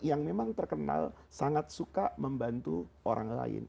yang memang terkenal sangat suka membantu orang lain